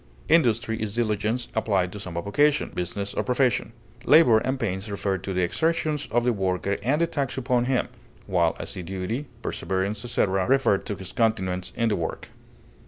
Industry is diligence applied to some avocation, business, or profession. Labor and pains refer to the exertions of the worker and the tax upon him, while assiduity, perseverance, etc., refer to his continuance in the work.